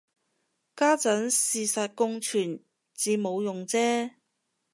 家陣事實共存至冇用啫